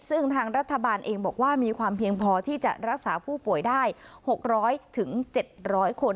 ซึ่งทางรัฐบาลเองบอกว่ามีความเพียงพอที่จะรักษาผู้ป่วยได้๖๐๐๗๐๐คน